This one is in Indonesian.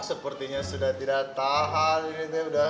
sepertinya sudah tidak tahan